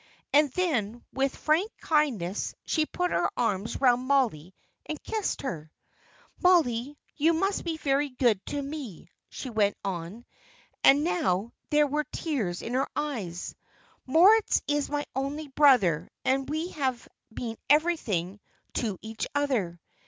And then, with frank kindness, she put her arms round Mollie and kissed her. "Mollie, you must be very good to me," she went on. And now there were tears in her eyes. "Moritz is my only brother, and we have been everything to each other.